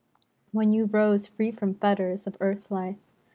When you rose, free from fetters of earth life.